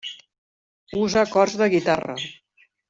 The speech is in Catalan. Usa acords de guitarra.